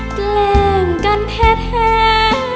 แกล้งกันแท้